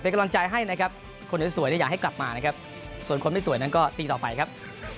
เป็นกำลังใจให้นะครับคนสวยอยากให้กลับมานะครับส่วนคนไม่สวยนั้นก็ตีต่อไปครับ